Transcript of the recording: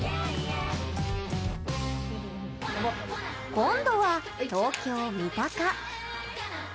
今度は東京・三鷹。